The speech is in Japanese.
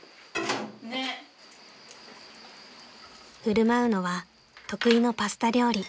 ［振る舞うのは得意のパスタ料理］